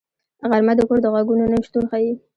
غرمه د کور د غږونو نه شتون ښيي